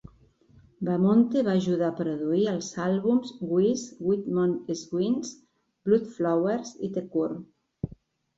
Bamonte va ajudar a produir els àlbums "Wish", "Wild Mood Swings", "Bloodflowers" i "The Cure".